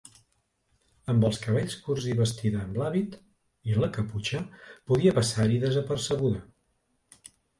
Amb els cabells curts i vestida amb l'hàbit i la caputxa, podia passar-hi desapercebuda.